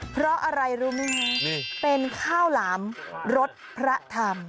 เพราะอะไรรู้ไหมคะเป็นข้าวหลามรสพระธรรม